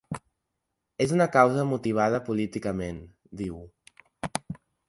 És una causa motivada políticament, diu.